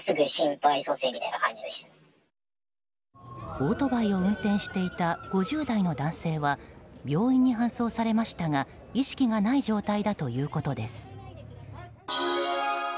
オートバイを運転していた５０代の男性は病院に搬送されましたが意識がない状態だということです。